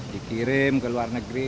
dikirim ke luar negeri